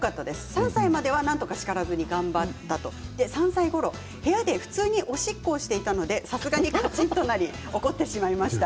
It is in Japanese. ３歳まではなんとか叱らずに頑張った３歳ごろ部屋で普通におしっこをしていたのでさすがに怒ってしまいました。